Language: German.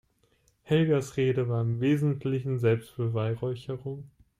Helgas Rede war im Wesentlichen Selbstbeweihräucherung.